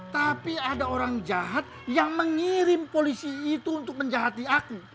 tapi ada orang jahat yang mengirim polisi itu untuk menjahati aku